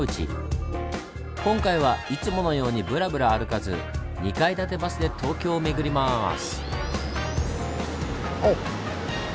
今回はいつものようにブラブラ歩かず２階建てバスで東京を巡ります。